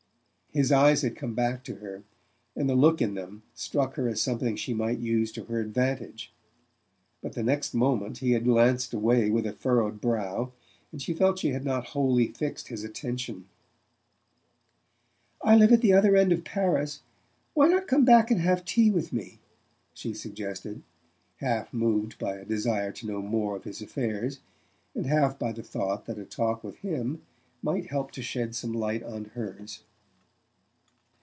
His eyes had come back to her, and the look in them struck her as something she might use to her advantage; but the next moment he had glanced away with a furrowed brow, and she felt she had not wholly fixed his attention. "I live at the other end of Paris. Why not come back and have tea with me?" she suggested, half moved by a desire to know more of his affairs, and half by the thought that a talk with him might help to shed some light on hers.